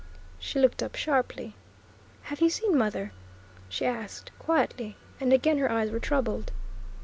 She looked up sharply. "Have you seen mother?" she asked quietly, and again her eyes were troubled.